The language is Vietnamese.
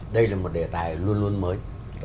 đây là một đề tài luôn luôn mới